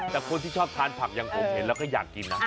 แต่คนที่ชอบทานผักอย่างผมเห็นแล้วก็อยากกินนะ